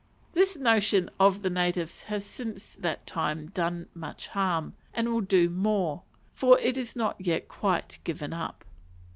This notion of the natives has since that time done much harm, and will do more, for it is not yet quite given up.